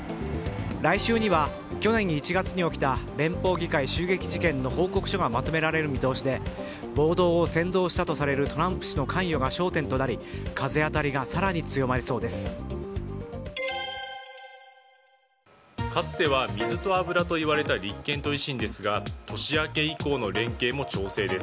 来週には去年１月に起きた連邦議会襲撃事件の報告書がまとめられる見通しで暴動を扇動したとされるトランプ氏の関与が焦点となり風当たりが更に強まりそうです。